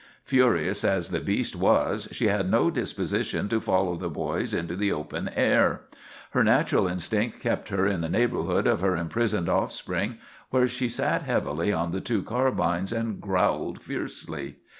Furious as the beast was, she had no disposition to follow the boys into the open air. Her natural instinct kept her in the neighborhood of her imprisoned offspring, where she sat heavily on the two carbines and growled fiercely.